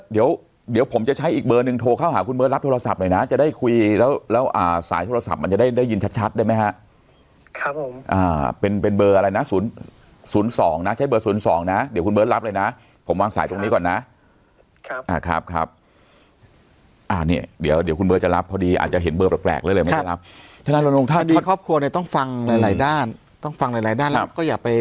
เดี๋ยวเดี๋ยวผมจะใช้อีกเบอร์หนึ่งโทรเข้าหาคุณเบิร์ดรับโทรศัพท์หน่อยนะจะได้คุยแล้วแล้วอ่าสายโทรศัพท์มันจะได้ได้ยินชัดชัดได้ไหมฮะครับผมอ่าเป็นเป็นเบอร์อะไรน่ะศูนย์ศูนย์สองน่ะใช้เบอร์ศูนย์สองน่ะเดี๋ยวคุณเบิร์ดรับเลยน่ะผมวางสายตรงนี้ก่อนน่ะครับอ่าครับครับอ่าเน